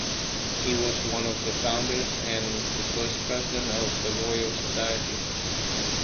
He was one of the founders and the first President of the Royal Society.